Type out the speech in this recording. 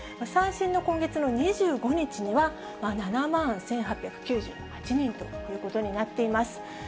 最新の今月の２５日には、７万１８９８人ということになっています。